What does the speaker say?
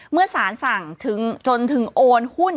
เมื่อสารสั่งจนถึงโอนหุ้น